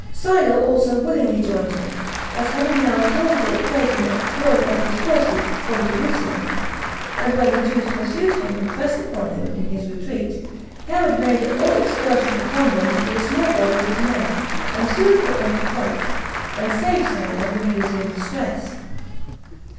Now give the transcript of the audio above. Silo also willingly joined him, as having now a plausible occasion of drawing off his forces [from Jerusalem]; and when the Jews pursued him, and pressed upon him, [in his retreat,] Herod made all excursion upon them with a small body of his men, and soon put them to flight, and saved Silo when he was in distress.